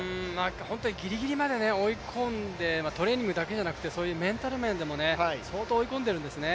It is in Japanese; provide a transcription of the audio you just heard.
本当にぎりぎりまで追い込んでトレーニングだけじゃなくてそういうメンタル面でも相当、追い込んでるんですね。